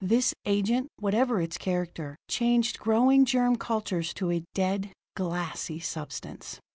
This agent, whatever its character, changed growing germ cultures to a dead, glassy substance.